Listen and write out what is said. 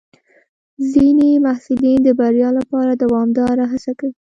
ځینې محصلین د بریا لپاره دوامداره هڅه کوي.